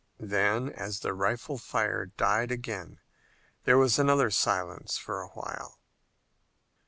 Then, as the rifle fire died again, there was another silence for a while.